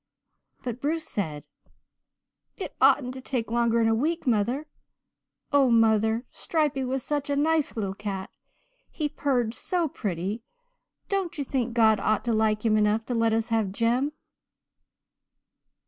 "But Bruce said, 'It oughtn't to take longer'n a week, mother. Oh, mother, Stripey was such a nice little cat. He purred so pretty. Don't you think God ought to like him enough to let us have Jem?"